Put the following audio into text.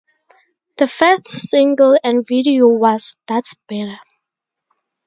The first single and video was "That's Better".